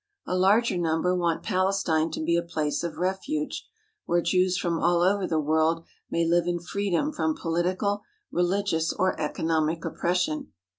A larger number want Palestine to be a place of refuge, where Jews from all over the world may live in freedom from political, religious, or economic oppression.